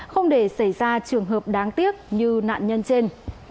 không để xảy ra trường hợp đáng tiếc như nạn nhân trên